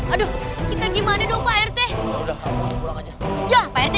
aduh gimana dong pak rt